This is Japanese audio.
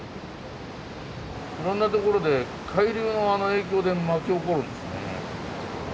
いろんな所で海流の影響で巻き起こるんですね。